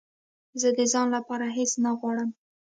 زه د ځان لپاره هېڅ نه غواړم